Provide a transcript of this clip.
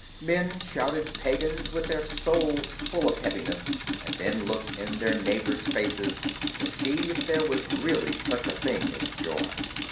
Men shouted paeans with their souls full of heaviness, and then looked in their neighbours' faces to see if there was really such a thing as joy.